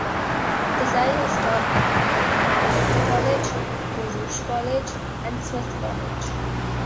Desai has taught at Mount Holyoke College, Baruch College and Smith College.